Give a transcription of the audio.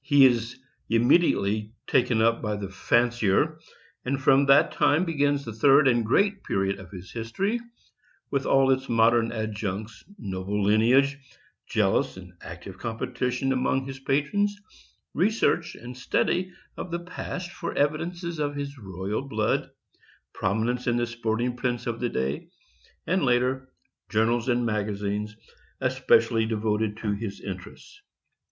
He is immediately taken up by the fancier, and from that time begins the third and great period of his history, with all its modern adjuncts — noble lineage, jealous and active competition among his patrons, research and study of the past for evidences of his royal blood, prominence in the sporting prints of the day, and later, journals and mag azines especially devoted to his interests.